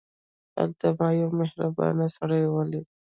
هلته ما یو مهربان سړی ولید.